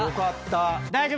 大丈夫？